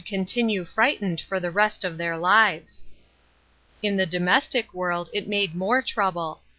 continue frightened for the rest of their lives, In the domestic world it made more trouble.